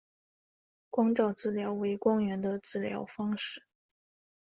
光照治疗为光源的治疗方式。